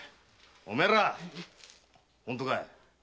お前ら本当かい？